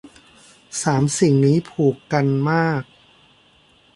สามสิ่งนี้ผูกกันมาก